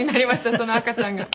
その赤ちゃんが。